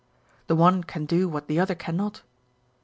The one can do what the other cannot.